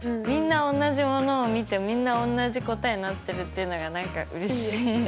みんなおんなじものを見てみんなおんなじ答えになってるっていうのが何かうれしい。